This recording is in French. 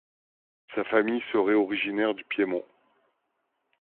Sa famille serait originaire du Piémont.